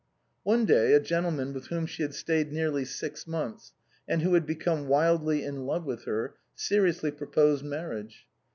One day a gentlemen with whom she had stayed nearly six months, and who had become wildly in love with her, seriously proposed marriage.